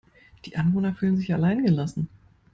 Die Anwohner fühlen sich allein gelassen.